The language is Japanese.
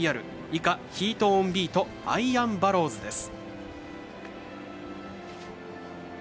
以下、ヒートオンビートアイアンバローズです。